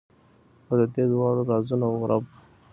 او ددې دواړو رازونو رب ،